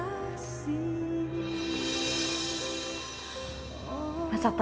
mas ardi kan suka masakan aku